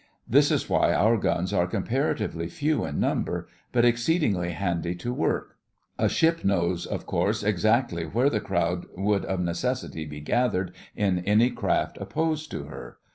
This is why our guns are comparatively few in number, but exceedingly handy to work. A ship knows, of course, exactly where the crowd would of necessity be gathered in any craft opposed to her.